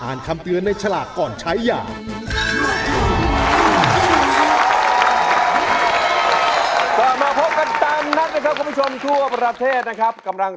คำเตือนในฉลากก่อนใช้อย่าง